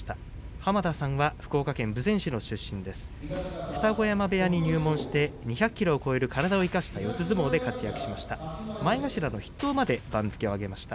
濱田さんは福岡県豊前市出身で二子山部屋に入門して２００ｋｇを超える体を生かした四つ相撲で活躍しました。